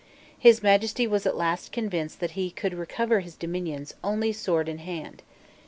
His Majesty was at last convinced that he could recover his dominions only sword in hand.